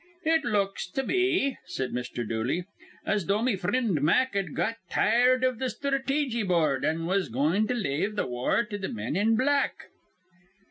"It looks to me," said Mr. Dooley, "as though me frind Mack'd got tired iv th' Sthrateejy Board, an' was goin' to lave th' war to th' men in black."